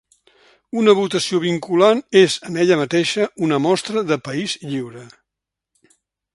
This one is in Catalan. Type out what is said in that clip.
Una votació vinculant és en ella mateixa una mostra de país lliure.